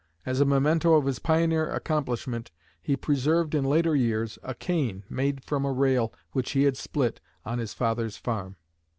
As a memento of his pioneer accomplishment he preserved in later years a cane made from a rail which he had split on his father's farm.